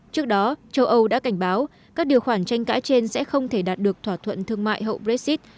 trước đó châu âu đã cảnh báo các điều khoản tranh cãi trên sẽ không thể đạt được thỏa thuận thương mại hậu brexit